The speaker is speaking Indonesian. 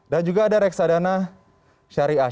dan juga ada reksadana syariah